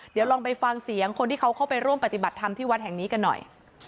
เดี๋ยวลองไปฟังเสียงคนที่เขาเข้าไปร่วมปฏิบัติธรรมที่วัดแห่งนี้กันหน่อย